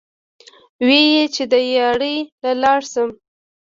وې ئې چې " دیاړۍ له لاړ شم ـ